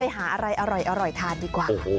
หาอะไรอร่อยทานดีกว่า